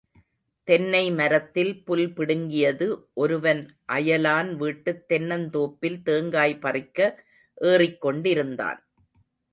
தென்னைமரத்தில் புல் பிடிங்கியது ஒருவன் அயலான் வீட்டுத் தென்னந் தோப்பில் தேங்காய் பறிக்க ஏறிக்கொண்டிருந்தான்.